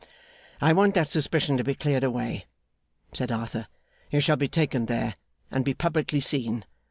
'I want that suspicion to be cleared away,' said Arthur. 'You shall be taken there, and be publicly seen.